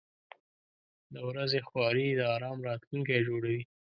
• د ورځې خواري د آرام راتلونکی جوړوي.